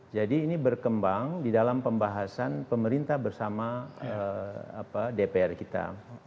jadi ini berkembang di dalam pembahasan pemerintah bersama dpr kita